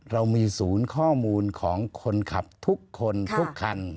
เรามีศูนย์ข้อมูลของคนขับทุกคนทุกคัน